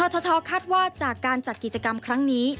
ททคาดว่าจากการจัดกิจกรรมครั้งนี้